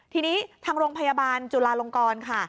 ทีนี้ทางโรงพยาบาลจุลาลงกรค่ะ